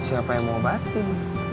siapa yang mau obatin